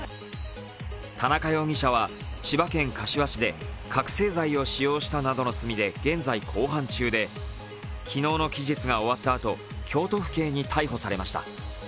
田中容疑者は千葉県柏市で覚醒剤を使用したなどの罪で現在公判中で昨日の期日が終わったあと、京都府警に逮捕されました。